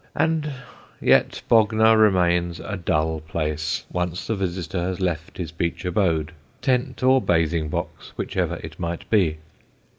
And yet Bognor remains a dull place, once the visitor has left his beach abode tent or bathing box, whichever it may be.